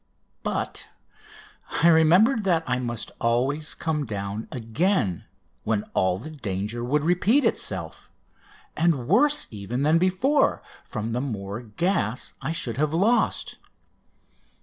But I remembered that I must always come down again when all the danger would repeat itself, and worse even than before, from the more gas I should have lost.